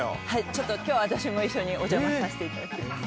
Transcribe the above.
ちょっと今日私も一緒にお邪魔させていただきます。